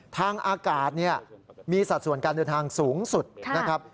ทางอากาศมีสัดส่วนการเดินทางสูงสุดนะครับ